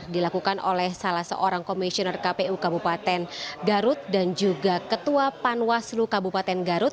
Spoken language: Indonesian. dilakukan oleh salah seorang komisioner kpu kabupaten garut dan juga ketua panwaslu kabupaten garut